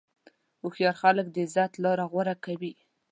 هوښیار خلک د عزت لاره غوره کوي.